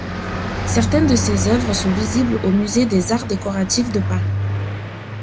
Certaines de ses œuvres sont visibles au Musée des arts décoratifs de Paris.